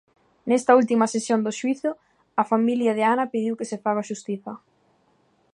Nesta última sesión do xuízo, a familia de Ana pediu que se faga xustiza.